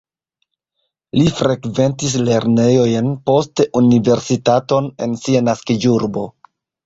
Li frekventis lernejojn, poste universitaton en sia naskiĝurbo.